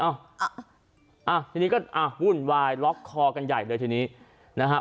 อ่ะทีนี้ก็อ่ะวุ่นวายล็อกคอกันใหญ่เลยทีนี้นะฮะ